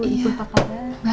ibu apa kabar